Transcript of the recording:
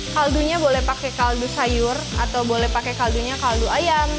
kaldu nya boleh pakai kaldu sayur atau boleh pakai kaldu nya kaldu ayam